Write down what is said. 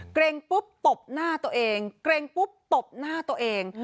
ปุ๊บตบหน้าตัวเองเกร็งปุ๊บตบหน้าตัวเอง